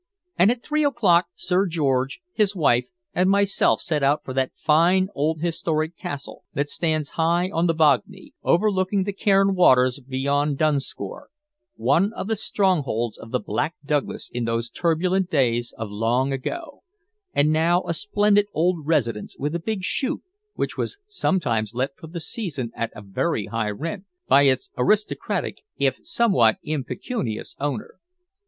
And at three o'clock Sir George, his wife, and myself set out for that fine old historic castle that stands high on the Bognie, overlooking the Cairn waters beyond Dunscore, one of the strongholds of the Black Douglas in those turbulent days of long ago, and now a splendid old residence with a big shoot which was sometimes let for the season at a very high rent by its aristocratic if somewhat impecunious owner.